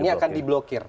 ini akan di blokir